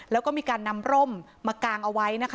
แล้วก็มีการนำร่มมากางเอาไว้นะคะ